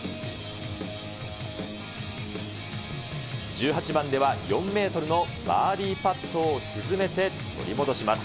１８番では、４メートルのバーディーパットを沈めて取り戻します。